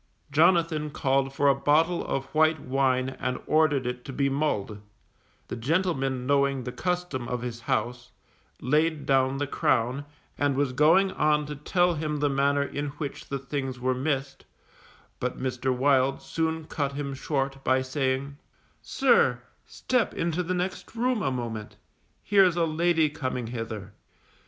Jonathan called for a bottle of white wine and ordered it to be mulled; the gentleman knowing the custom of his house, laid down the crown, and was going on to tell him the manner in which the things were missed, but Mr. Wild soon cut him short by saying, _Sir, step into the next room a moment; here's a lady coming hither.